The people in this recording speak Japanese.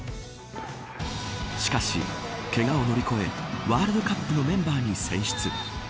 しかし、けがを乗り越えワールドカップのメンバーに選出。